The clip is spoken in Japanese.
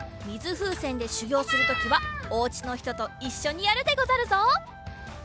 ふうせんでしゅぎょうするときはお家のひとといっしょにやるでござるぞ！